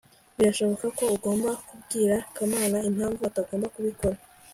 birashoboka ko ugomba kubwira kamana impamvu atagomba kubikora